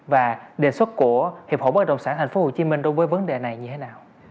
và đề xuất của hiệp hội bất động sản tp hcm đối với vấn đề này như thế nào